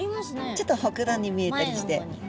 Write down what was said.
ちょっとほくろに見えたりして。